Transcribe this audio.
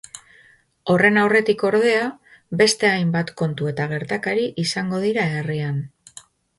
Horren aurretik, ordea, beste hainbat kontu eta gertakari izango dira herrian.